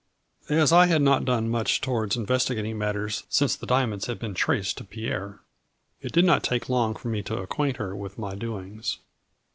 As I had not done much towards investigat ing matters since the diamonds had been traced to Pierre, it did not take long for me to acquaint her with my doings.